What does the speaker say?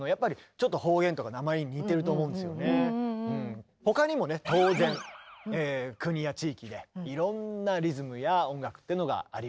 やっぱり他にもね当然国や地域でいろんなリズムや音楽っていうのがあります。